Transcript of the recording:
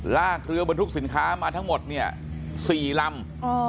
ลากเรือบรรทุกสินค้ามาทั้งหมดเนี่ย๔ลำ